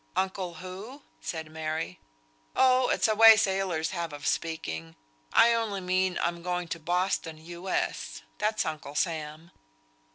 "Uncle who?" said Mary. "Oh, it's a way sailors have of speaking. I only mean I'm going to Boston, U. S., that's Uncle Sam."